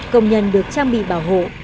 công nhân được trang bị bảo hộ